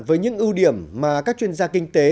với những ưu điểm mà các chuyên gia kinh tế